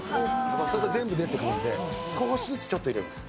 すると全部出てくるんで、少しずつちょっと入れます。